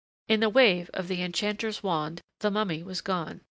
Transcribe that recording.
In a wave of an enchanter's wand the mummy was gone.